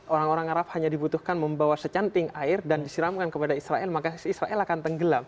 orang orang arab hanya dibutuhkan membawa secanting air dan disiramkan kepada israel maka israel akan tenggelam